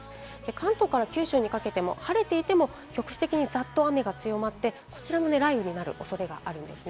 関東から九州にかけても晴れていても、局地的にザっと雨が広まって雷雨になる恐れがあります。